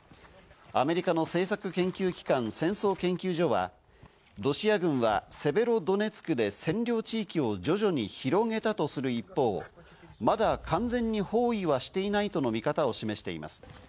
アメリカの政策研究機関、戦争研究所はロシア軍はセベロドネツクで占領地域を徐々に広げたとする一方、まだ完全に包囲はしていないとの見方を示しています。